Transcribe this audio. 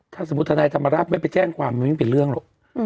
ถ้าสมมุติธนายธรรมราชไม่ไปแจ้งความมันไม่เป็นเรื่องหรอก